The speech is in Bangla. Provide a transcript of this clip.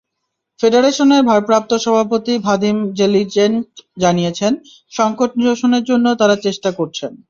ফেডারেশনের ভারপ্রাপ্ত সভাপতি ভাদিম জেলিচেনক জানিয়েছেন, সংকট নিরসনের জন্য তাঁরা চেষ্টা করছেন।